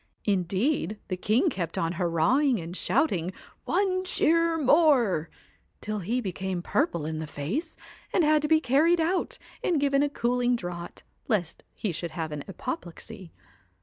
Indeed the king kept on hurrahing ! and shouting One cheer more ! till he became purple in the face, and had to be carried out and given a cooling draught lest he should have an apoplexy.